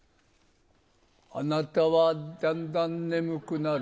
あなたはだんだん眠くなる。